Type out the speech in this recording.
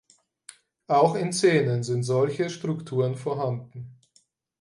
Auch in Zähnen sind solche Strukturen vorhanden.